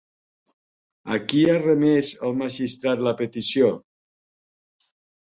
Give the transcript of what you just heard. A qui ha remès el magistrat la petició?